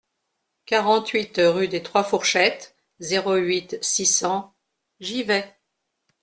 quarante-huit rue des trois Fourchettes, zéro huit, six cents, Givet